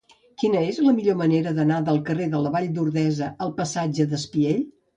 Quina és la millor manera d'anar del carrer de la Vall d'Ordesa al passatge d'Espiell?